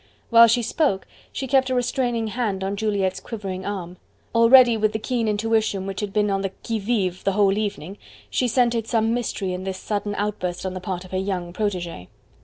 While she spoke she kept a restraining hand on Juliette's quivering arm. Already, with the keen intuition which had been on the qui vive the whole evening, she scented some mystery in this sudden outburst on the part of her young protegee.